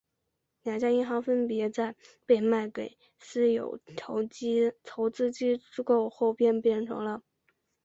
两家银行分别在被卖给私有投资机构后变成了新生银行和蓝天银行重组进了富士银行。